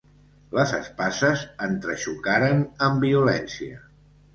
Les espases entrexocaren amb violència.